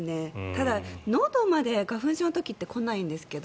ただ、のどまで花粉症の時って来ないんですけど。